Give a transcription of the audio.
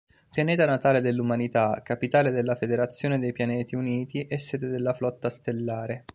Pianeta natale dell'umanità, capitale della Federazione dei pianeti uniti e sede della Flotta Stellare.